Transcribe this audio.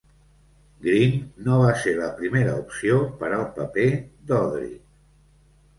Greene no va ser la primera opció per al paper d'Audrey.